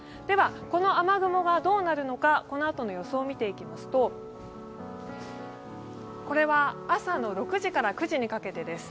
この雨雲がどうなるのか、この後の予想を見ていきますと朝６時から９時にかけてです。